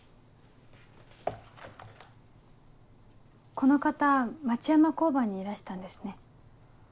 この方町山交番にいらしたんですね。